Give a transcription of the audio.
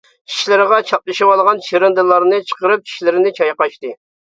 چىشلىرىغا چاپلىشىۋالغان چىرىندىلارنى چىقىرىپ چىشلىرىنى چايقاشتى.